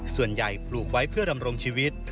ส่วนใหญ่ปลูกไว้เพื่อดำรงชีวิต